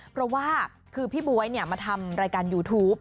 เพราะว่าคือพี่บ๊วยมาทำรายการยูทูป